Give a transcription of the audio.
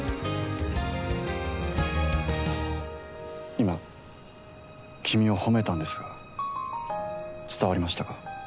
今君を褒めたんですが伝わりましたか？